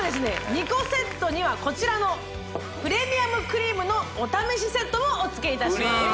２個セットにはこちらのプレミアムクリームのお試しセットもお付けいたします